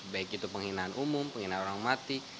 baik itu penghinaan umum penghinaan orang mati